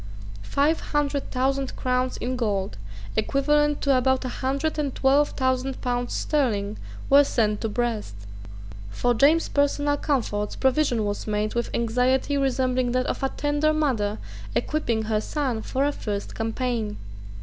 Five hundred thousand crowns in gold, equivalent to about a hundred and twelve thousand pounds sterling, were sent to Brest, For James's personal comforts provision was made with anxiety resembling that of a tender mother equipping her son for a first campaign.